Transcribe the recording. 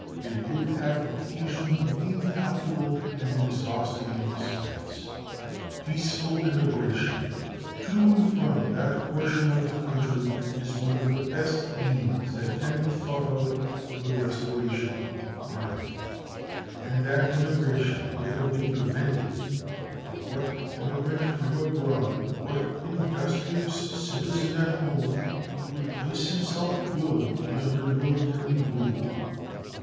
They would have occasioned an incalculable and exhausting expense. Peaceful emigration to and from that portion of the country is one of the best means that can be thought of for the restoration of harmony, and that emigration would have been prevented; for what emigrant from abroad, what industrious citizen at home, would place himself willingly under military rule?